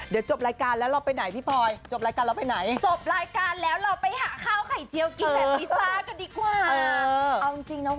เดี๋ยวจบรายการแล้วเราไปไหนพี่พลอยจบรายการเราไปไหน